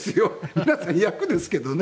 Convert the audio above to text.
皆さん役ですけどね。